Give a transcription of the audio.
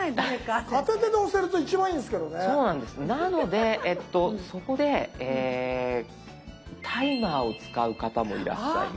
なのでそこでタイマーを使う方もいらっしゃいます。